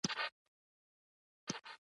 دښمن د زړه له ژورو نه بغض لري